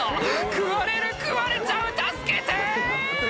「食われる食われちゃう助けて！」